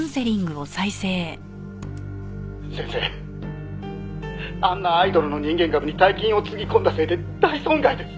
「先生あんなアイドルの人間株に大金をつぎ込んだせいで大損害です！」